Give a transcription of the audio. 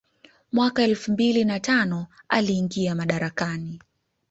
Mwaka elfu mbili na tano aliingia madarakani